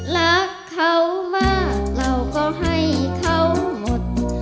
รักเขามากเราก็ให้เขาหมด